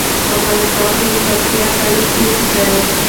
په افغانستان کې د پکتیا تاریخ اوږد دی.